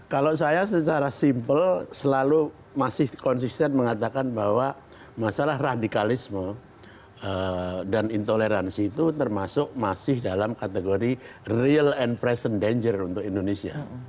kalau saya secara simpel selalu masih konsisten mengatakan bahwa masalah radikalisme dan intoleransi itu termasuk masih dalam kategori real and present danger untuk indonesia